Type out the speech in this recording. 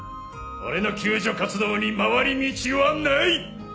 俺の救助活動に回り道はない！